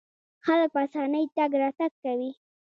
خلک په اسانۍ تګ راتګ کوي.